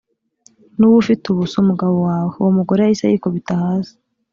n’uwo ufite ubu si umugabo wawe uwo mugore yahise yikubita hasi